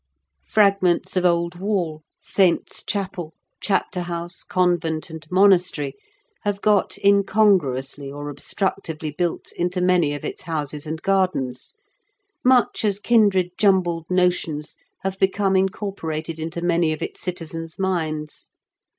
Frag ments of old wall, saints* chapel, chapter house, convent, and monastery, have got incongruously or obstructively built into many of its houses and gardens, much as kindred jumbled notion, live become inoorporaW into many of its citizens' minds.